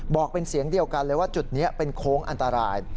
บอกเป็นเสียงเดียวกันเลยว่าจุดนี้เป็นโค้งอันตราย